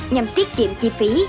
nhằm tiết kiệm chi phí